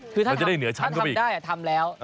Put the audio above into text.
คือถ้าทำได้ทำแล้ว